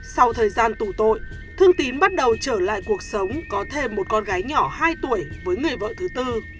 sau thời gian tủ tội thương tín bắt đầu trở lại cuộc sống có thêm một con gái nhỏ hai tuổi với người vợ thứ tư